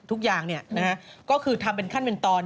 ทุกอย่างก็คือทำเป็นขั้นเป็นตอน